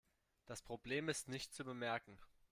Das Problem ist nicht zu bemerken.